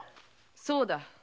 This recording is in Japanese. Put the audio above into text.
そうだ。